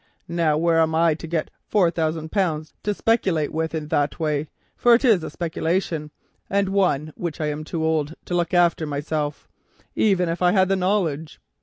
Now where am I to get four thousand pounds to speculate with in that way, for it is a speculation, and one which I am too old to look after myself, even if I had the knowledge.